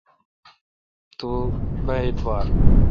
تو با اعبار ۔